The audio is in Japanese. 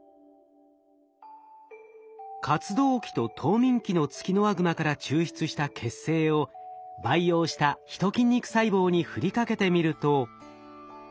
活動期と冬眠期のツキノワグマから抽出した血清を培養したヒト筋肉細胞に振りかけてみると。